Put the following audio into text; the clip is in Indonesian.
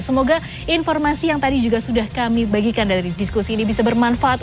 semoga informasi yang tadi juga sudah kami bagikan dari diskusi ini bisa bermanfaat